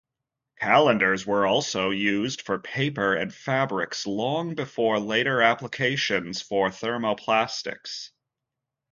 Calenders were also used for paper and fabrics long before later applications for thermoplastics.